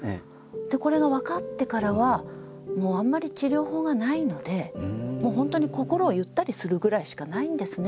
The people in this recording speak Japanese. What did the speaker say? これが分かってからはあんまり治療法がないので本当に心をゆったりするぐらいしかないんですね。